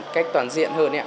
cách toàn diện hơn